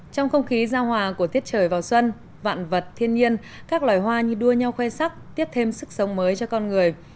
trong không khí giao hòa của tiết trời vào xuân vạn vật thiên nhiên các loài hoa như đua nhau khoe sắc tiếp thêm sức sống mới cho con người